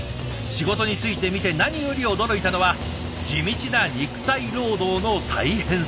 仕事に就いてみて何より驚いたのは地道な肉体労働の大変さ。